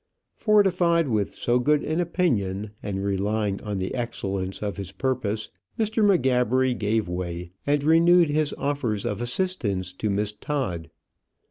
Fortified with so good an opinion, and relying on the excellence of his purpose, Mr. M'Gabbery gave way, and renewed his offers of assistance to Miss Todd.